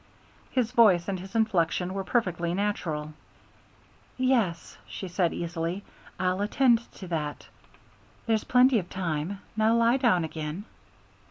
His voice and his inflection were perfectly natural. "Yes," she said easily, "I'll attend to that. There's plenty of time. Now lie down again."